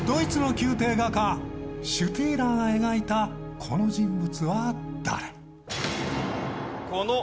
宮廷画家シュティーラーが描いたこの人物。